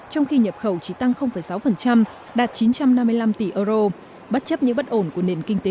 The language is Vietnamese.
trong khi nhập khẩu chỉ tăng sáu đạt chín trăm năm mươi năm tỷ euro bất chấp những bất ổn của nền kinh tế